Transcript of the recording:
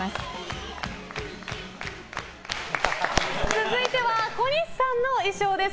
続いては小西さんの衣装です。